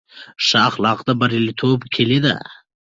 ښه اخلاق د بریالیتوب کیلي ده.